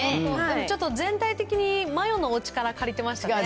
ちょっと全体的にマヨのお力借りてましたね。